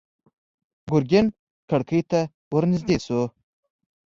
ګرګين کړکۍ ته ور نږدې شو.